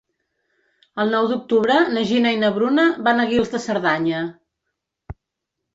El nou d'octubre na Gina i na Bruna van a Guils de Cerdanya.